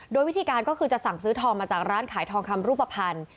โดยวิธีการก็คือจะสั่งซื้อทองมาจากร้านขายทองคำรูปภัณฑ์